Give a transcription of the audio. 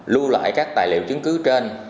sáu lưu lại các tài liệu chứng cứ trên